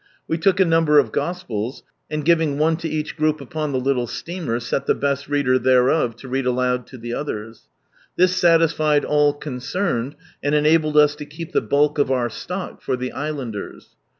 We took a number of Gospels, and giving one to each group upon the little steamer, set the best reader thereof to read aloud to the others. This satisfied all concerned, and enabled us to keep the bulk of our stock for the islanders.